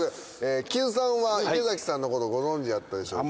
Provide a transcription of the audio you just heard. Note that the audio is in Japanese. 木津さんは池崎さんのことをご存じやったでしょうか？